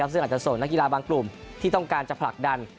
ซึ่งอาจจะส่งนักกีฬาบางกลุ่มที่ต้องการจะผลักดัน